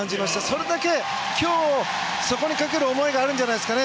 それだけ今日そこにかける思いがあるんじゃないですか。